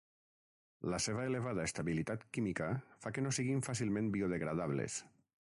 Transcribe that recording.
La seva elevada estabilitat química fa que no siguin fàcilment biodegradables.